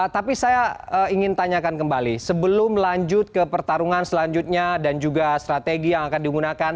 tapi saya ingin tanyakan kembali sebelum lanjut ke pertarungan selanjutnya dan juga strategi yang akan digunakan